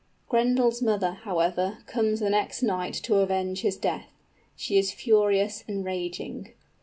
_ _Grendel's mother, however, comes the next night to avenge his death. She is furious and raging.